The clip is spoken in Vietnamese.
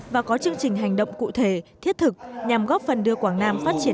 và có chương trình hành động cụ thể thiết thực nhằm góp phần đưa quảng nam phát triển